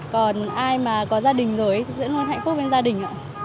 còn ai mà có gia đình rồi sẽ luôn hạnh phúc bên gia đình